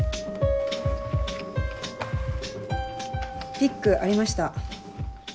ピックありました。